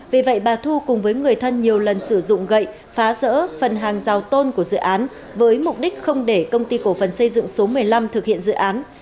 vì vậy bà thu cùng với người thân nhiều lần sử dụng gậy phá rỡ phần hàng rào tôn của dự án với mục đích không để công ty cổ phần xây dựng số một mươi năm thực hiện dự án